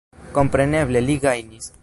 Kompreneble li gajnis.